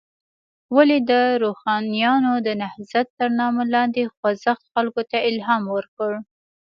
ولې د روښانیانو د نهضت تر نامه لاندې خوځښت خلکو ته الهام ورکړ.